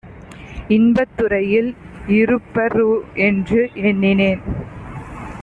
இன்பத்துறையில் இருப்பர்ரு என்று எண்ணினேன்.